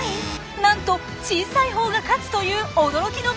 なんと小さいほうが勝つという驚きの場面を目撃。